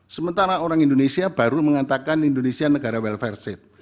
sementara orang indonesia baru mengatakan indonesia negara welfare sate